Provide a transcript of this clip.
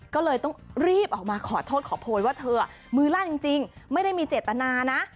ก็เลยต้องรีบออกมาขอโทษขอโพยว่าเธอมือลั่นจริงไม่ได้มีเจตนานะ